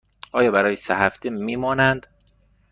آنها برای سه هفته می مانند.